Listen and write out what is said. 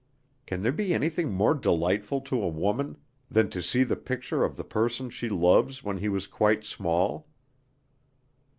Can there be anything more delightful to a woman than to see the picture of the person she loves when he was quite small?